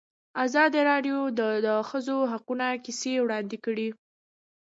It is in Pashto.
ازادي راډیو د د ښځو حقونه کیسې وړاندې کړي.